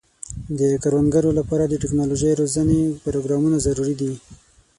د کروندګرو لپاره د ټکنالوژۍ روزنې پروګرامونه ضروري دي.